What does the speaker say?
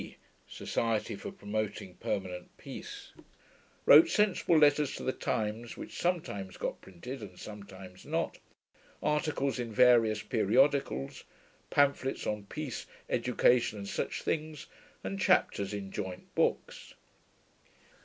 (Society for Promoting Permanent Peace), wrote sensible letters to the Times, which sometimes got printed and sometimes not, articles in various periodicals, pamphlets on peace, education and such things, and chapters in joint books.